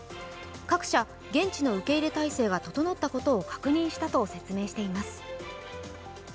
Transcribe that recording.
各社現地の受け入れ態勢が整ったことを確認したと説明しています。